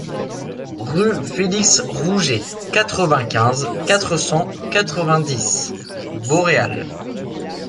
Rue Felix Rouget, quatre-vingt-quinze, quatre cent quatre-vingt-dix Vauréal